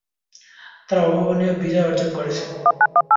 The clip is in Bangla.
তারা অভাবনীয় বিজয় অর্জন করেছেন।